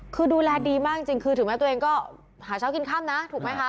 คือดูแลดีมากจริงคือถึงแม้ตัวเองก็หาเช้ากินค่ำนะถูกไหมคะ